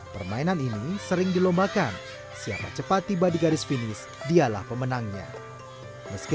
permainan ini sering dilombakan siapa cepat tiba di garis finish dialah pemenangnya meski